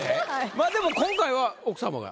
まあでも今回は奥様が。